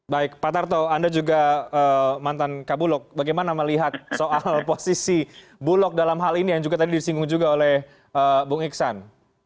baik pak tarto anda juga mantan kabulok bagaimana melihat soal posisi bulog dalam hal ini yang juga tadi disinggung juga oleh bung iksan